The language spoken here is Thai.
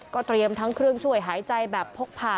เตรียมทั้งเครื่องช่วยหายใจแบบพกผ่า